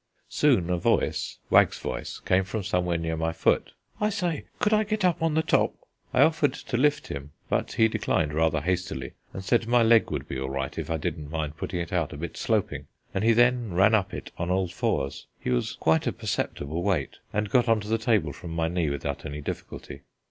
Soon a voice Wag's voice came from somewhere near my foot. "I say, could I get up on the top?" I offered to lift him, but he declined rather hastily and said my leg would be all right if I didn't mind putting it out a bit sloping: and he then ran up it on all fours he was quite a perceptible weight and got on to the table from my knee without any difficulty.